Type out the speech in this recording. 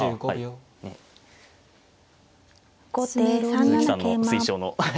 鈴木さんの推奨の。